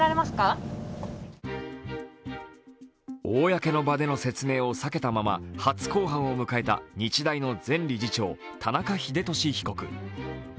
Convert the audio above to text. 公の場での説明を避けたまま、初公判を迎えた日大の前理事長、田中英寿被告。